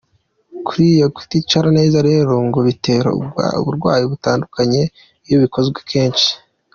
Kuriya kuticara neza rero ngo bitera uburwayi butandukanye iyo bikozwe kenshi.